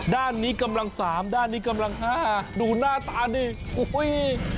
ด้านนี้กำลังสามด้านนี้กำลังห้าดูหน้าตาเนี่ยโอ้ทหึ่ย